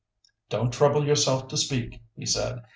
"Don't trouble yourself to speak," he said.